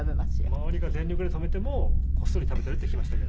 周りが全力で止めてもこっそり食べてるって聞きましたけど。